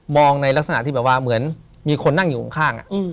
มองในลักษณะที่เหมือนมีคนนั่งอยู่ข้าง